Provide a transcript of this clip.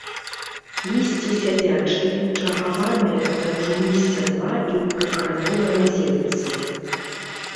Лісце сядзячае, чаргаванае па даўжыні сцябла і ў прыкаранёвай разетцы.